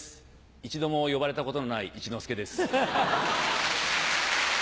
一度も呼ばれたことのない一之輔です。